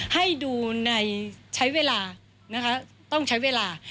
ให้ดูในใช้เวลานะคะต้องใช้เวลา